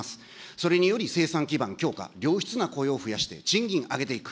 それにより、生産基盤強化、良質な雇用を増やして、賃金を上げていく。